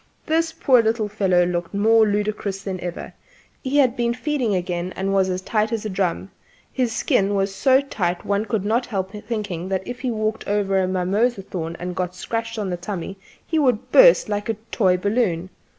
The poor little fellow looked more ludicrous than ever: he had been feeding again and was as tight as a drum; his skin was so tight one could not help thinking that if he walked over a mimosa thorn and got a scratch on the tummy he would burst like a toy balloon.